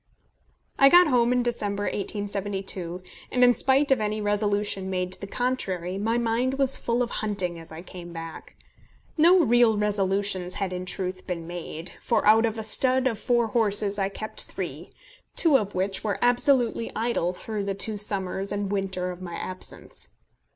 I got home in December, 1872, and in spite of any resolution made to the contrary, my mind was full of hunting as I came back. No real resolutions had in truth been made, for out of a stud of four horses I kept three, two of which were absolutely idle through the two summers and winter of my absence.